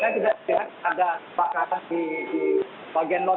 saya tidak lihat ada kebakaran di bagian notek